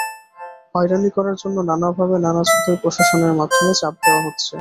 হয়রানি করার জন্য নানাভাবে, নানা ছুতায় প্রশাসনের মাধ্যমে চাপ দেওয়া হচ্ছে।